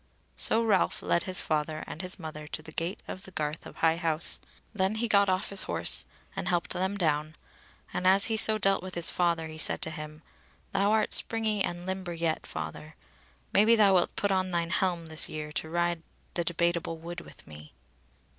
So Ralph led his father and his mother to the gate of the garth of High House; then he got off his horse and helped them down, and as he so dealt with his father, he said to him: "Thou art springy and limber yet, father; maybe thou wilt put on thine helm this year to ride the Debateable Wood with me."